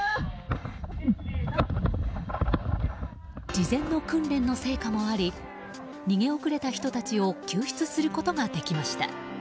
事前の訓練の成果もあり逃げ遅れた人たちを救出することができました。